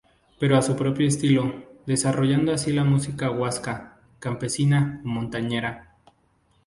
Pero a su propio estilo, desarrollando así la música guasca, campesina o montañera.